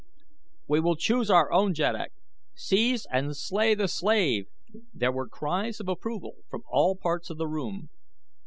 "We will choose our own jeddak. Seize and slay the slave!" There were cries of approval from all parts of the room.